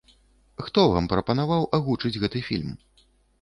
Хто вам прапанаваў агучыць гэты фільм?